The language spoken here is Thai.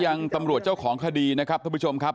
ยังตำรวจเจ้าของคดีนะครับท่านผู้ชมครับ